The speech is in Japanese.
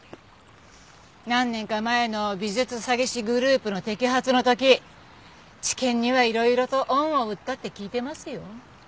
何年か前の美術詐欺師グループの摘発の時地検にはいろいろと恩を売ったって聞いてますよ。